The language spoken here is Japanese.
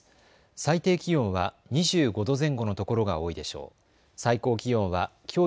最低気温は２５度前後のところが多いでしょう。